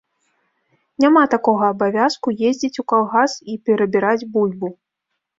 Няма такога абавязку ездзіць ў калгас і перабіраць бульбу.